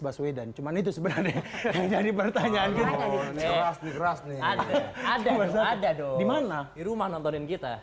baswedan cuman itu sebenarnya jadi pertanyaan keras nih ada ada dong di rumah nontonin kita